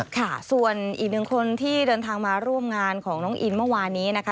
ค่ะส่วนอีกหนึ่งคนที่เดินทางมาร่วมงานของน้องอินเมื่อวานนี้นะคะ